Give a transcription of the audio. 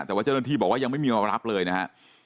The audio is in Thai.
แต่ว่าเจ้าหน้าที่บอกว่ายังไม่มีมารับเลยนะฮะ